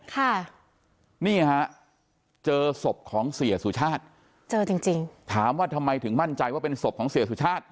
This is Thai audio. ค่ะนี่ฮะเจอศพของเสียสุชาติเจอจริงจริงถามว่าทำไมถึงมั่นใจว่าเป็นศพของเสียสุชาติ